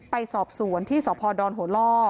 ไปสอบสวนที่สพโดรนโหล่